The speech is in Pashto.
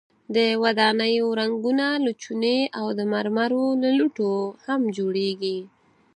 د ودانیو رنګونه له چونې او د مرمرو له لوټو هم جوړیږي.